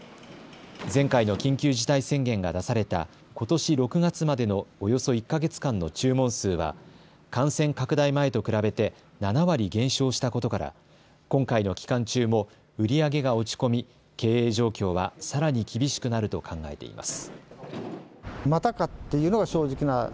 前回の緊急事態宣言が出されたことし６月までのおよそ１か月間の注文数は感染拡大前と比べて７割減少したことから今回の期間中も売り上げが落ち込み、経営状況はさらに厳しくなると考えています。